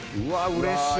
うれしい。